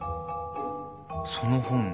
その本。